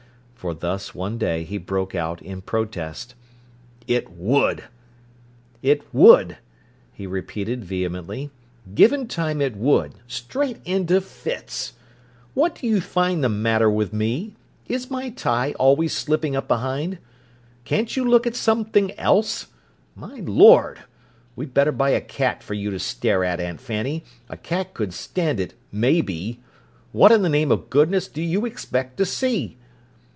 For thus, one day, he broke out, in protest: "It would!" he repeated vehemently. "Given time it would—straight into fits! What do you find the matter with me? Is my tie always slipping up behind? Can't you look at something else? My Lord! We'd better buy a cat for you to stare at, Aunt Fanny! A cat could stand it, maybe. What in the name of goodness do you expect to see?"